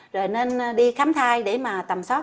rồi nên đi khám thai để mà tầm soát